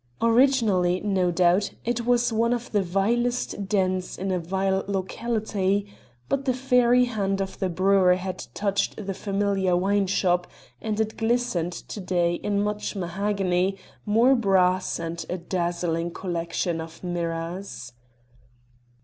Originally, no doubt, it was one of the vilest dens in a vile locality, but the fairy hand of the brewer had touched the familiar wineshop, and it glistened to day in much mahogany, more brass, and a dazzling collection of mirrors.